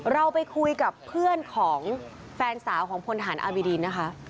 เราไปคุยกับเพื่อนของแฟนสาวของพลฐานอบิดีนนะคะ